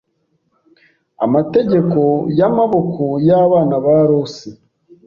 Amategeko yAmaboko yabana ba Losi